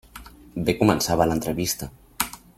Bé començava l'entrevista.